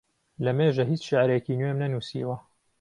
لەمێژە هیچ شیعرێکی نوێم نەنووسیوە.